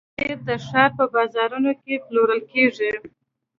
پنېر د ښار بازارونو کې پلورل کېږي.